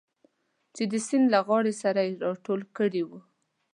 چې د سیند له غاړې سره یې راټول کړي و.